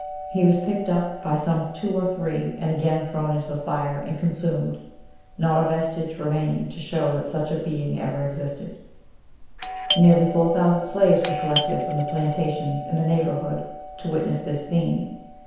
He was picked up by some two or three, and again thrown into the fire, and consumed, not a vestige remaining to show that such a being ever existed." Nearly 4,000 slaves were collected from the plantations in the neighbourhood to witness this scene.